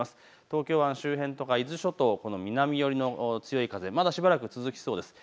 東京湾周辺や伊豆諸島、この南寄りの強い風、まだしばらく続きそうです。